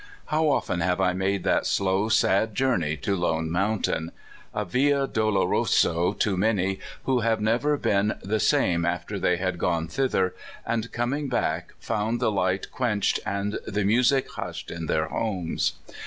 How often have I made that slow, sad jour ney to Lone Mountain a Via Doloroso to many who have never been the same after they had gone thither, and coming back found the light quenched and the music hushed in their homes!